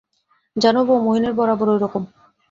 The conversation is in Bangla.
জান বউ, মহিনের বরাবর ঐরকম।